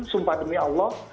sumpah demi allah